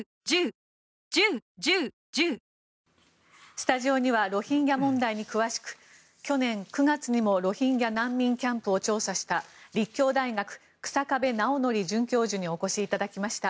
スタジオにはロヒンギャ問題に詳しく去年９月にもロヒンギャ難民キャンプを調査した立教大学、日下部尚徳准教授にお越しいただきました。